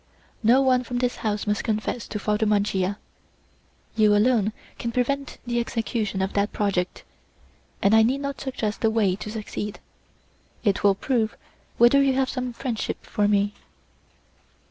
No one from this house must confess to Father Mancia; you alone can prevent the execution of that project, and I need not suggest the way to succeed. It will prove whether you have some friendship for me."